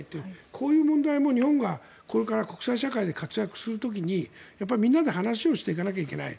こういう問題も日本がこれから国際社会で活躍する時にみんなで話をしていかなきゃいけない